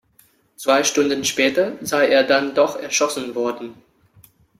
Zwei Stunden später sei er dann doch erschossen worden.